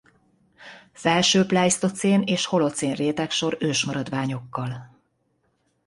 Felső pleisztocén és holocén rétegsor ősmaradványokkal.